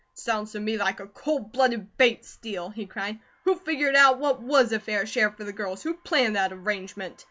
"Sounds to me like a cold blooded Bates steal," he cried. "Who figured out what WAS a fair share for the girls; who planned that arrangement?